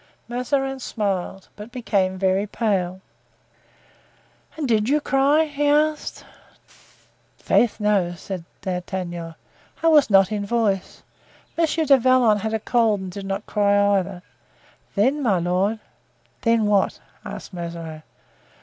Mazarin smiled, but became very pale. "And you did cry?" he asked. "I'faith, no," said D'Artagnan; "I was not in voice; Monsieur du Vallon has a cold and did not cry either. Then, my lord——" "Then what?" asked Mazarin.